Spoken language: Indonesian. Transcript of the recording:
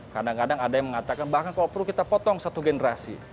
kadang kadang ada yang mengatakan bahkan kalau perlu kita potong satu generasi